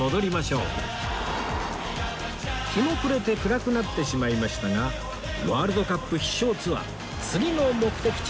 日も暮れて暗くなってしまいましたがワールドカップ必勝ツアー次の目的地に向けて出発！